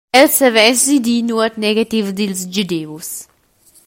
El savessi dir nuot negativ dils Gedius.